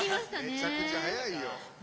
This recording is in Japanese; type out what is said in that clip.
めちゃくちゃ速いよ。